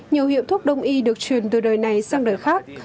nhiều hiệu thuốc đông y được truyền từ đời này sang đời khác